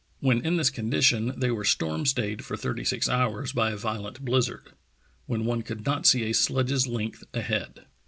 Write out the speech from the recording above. When in this condition they were storm stayed for thirty six hours by a violent blizzard, when one could not see a sledge's length ahead.